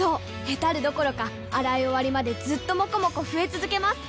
ヘタるどころか洗い終わりまでずっともこもこ増え続けます！